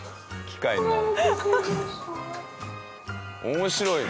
面白いね。